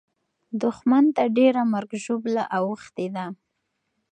دښمن ته ډېره مرګ او ژوبله اوښتې ده.